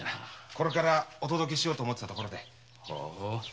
これからお届けしようと思ってたところで。